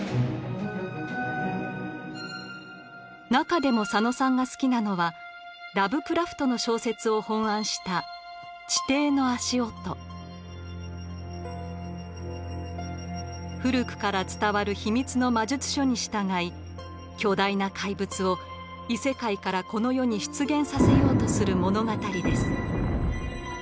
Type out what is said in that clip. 中でも佐野さんが好きなのはラヴクラフトの小説を翻案した古くから伝わる秘密の魔術書に従い巨大な怪物を異世界からこの世に出現させようとする物語です。